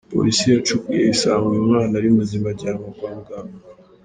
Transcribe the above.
Polisi yacukuye isanga uyu mwana ari muzima ajyanwa kwa muganga.